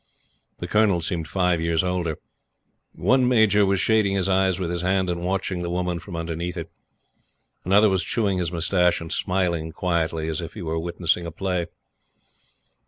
The Colonel seemed five years older. One Major was shading his eyes with his hand and watching the woman from underneath it. Another was chewing his moustache and smiling quietly as if he were witnessing a play.